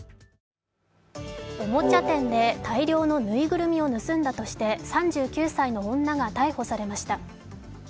おもちゃ店で大量のぬいぐるみを盗んだとして３９歳の女が逮捕されました。